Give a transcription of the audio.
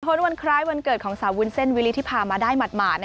วันคล้ายวันเกิดของสาววุ้นเส้นวิริธิพามาได้หมาด